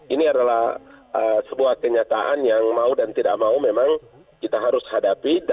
ini adalah sebuah kenyataan yang mau dan tidak mau memang kita harus hadapi